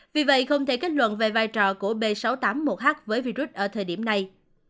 vì vậy không thể kết luận về vai trò của b sáu trăm tám mươi một h với virus ở thời điểm này